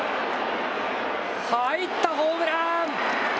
入った、ホームラン！